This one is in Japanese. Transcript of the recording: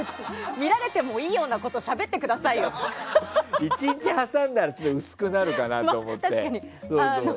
見られてもいいようなことを１日挟んだら薄くなるかなと。